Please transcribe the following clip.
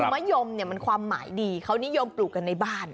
มะยมเนี่ยมันความหมายดีเขานิยมปลูกกันในบ้าน